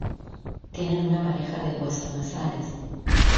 Tienen una pareja de huesos nasales.